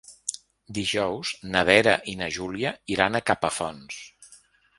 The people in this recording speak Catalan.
Dijous na Vera i na Júlia iran a Capafonts.